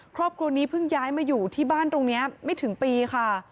ครอบครัวนี้เพิ่งย้ายมาอยู่ที่บ้านตรงนี้ไม่ถึงปีค่ะ